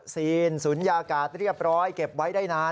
ศูนยากาศเรียบร้อยเก็บไว้ได้นาน